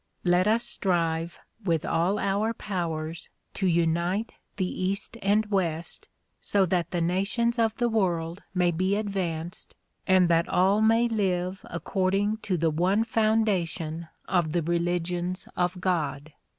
Let us strive with all our powers to unite the east and west so that the nations of the world may be advanced and that all may live according to the one foundation of the religions of God.